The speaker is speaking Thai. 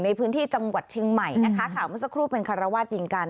ในพื้นที่จังหวัดเชียงใหม่นะคะข่าวเมื่อสักครู่เป็นคารวาสยิงกัน